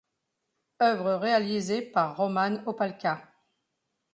Œuvre réalisée par Roman Opalka.